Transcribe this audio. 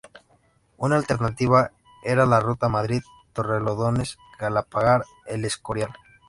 Una alternativa era la ruta Madrid-Torrelodones-Galapagar-El Escorial.